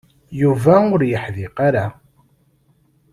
Yuba ur yeḥdiq ara.